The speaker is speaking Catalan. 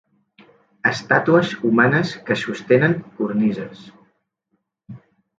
Estàtues humanes que sostenen cornises.